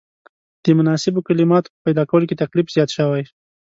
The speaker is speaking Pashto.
د مناسبو کلماتو په پیدا کولو کې تکلیف زیات شوی.